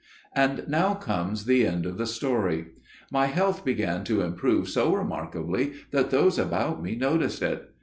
"And now comes the end of the story. My health began to improve so remarkably that those about me noticed it.